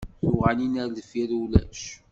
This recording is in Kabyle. Tuɣalin ar deffir ulac.